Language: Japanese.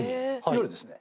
夜ですね。